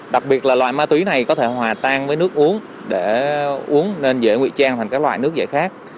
đặc biệt là loại ma túy này có thể hòa tan với nước uống để uống nên dễ nguy trang thành các loại nước dễ khác